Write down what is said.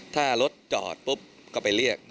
ถ้ารถจอดปุ๊บก็ไปเรียก